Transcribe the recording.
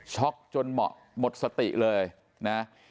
ช็อกจนหมดสติเลยนะ